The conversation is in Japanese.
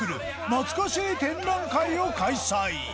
なつかしー展覧会を開催